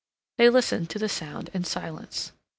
They listened to the sound in silence.